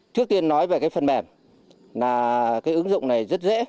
trước tiên nói về cái phần mềm là cái ứng dụng này rất dễ